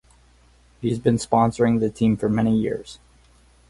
He has been sponsoring the team for many years.